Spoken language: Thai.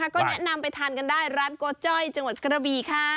ก็แนะนำไปทานกันได้ร้านโกจ้อยจังหวัดกระบีค่ะ